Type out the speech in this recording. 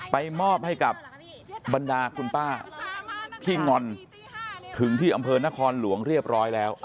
ไปมอบให้กับบรรดาคุณป้าที่งอนถึงที่อำเภอนครหลวงเรียบร้อยแล้ว